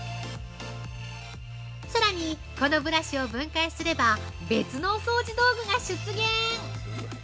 さらに、このブラシを分解すれば別のお掃除大具が出現。